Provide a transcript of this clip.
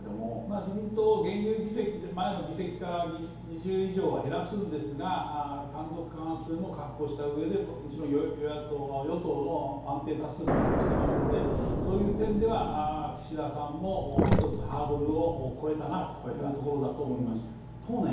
自民党は現有議席、前の議席から２０以上減らすんですが単独過半数も確保したうえで、もちろん与党の安定多数も獲得していますのでそういう点では岸田さんもハードルを一つ越えたなというところと思います。